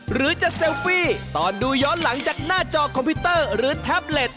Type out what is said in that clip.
หรือจะเซลฟี่ตอนดูย้อนหลังจากหน้าจอคอมพิวเตอร์หรือแท็บเล็ต